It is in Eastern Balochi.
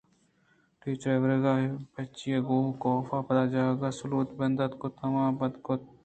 ٹیچر ءِ روگ ءِ پجی ءَ گوں کاف ءَ پدا جاک ءُسلوات بندات کُت ءُآوان ءَ بد ءُرد کُت اَنت